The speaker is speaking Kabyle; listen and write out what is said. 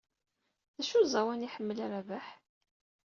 D acu n uẓawan ay iḥemmel Rabaḥ?